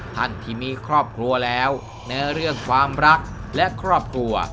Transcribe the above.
ท่านที่มีครอบครัวแล้วในเรื่องความรักและครอบครัว